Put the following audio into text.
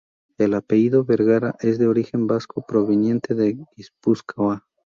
El apellido Vergara es de origen vasco proveniente de Guipúzcoa.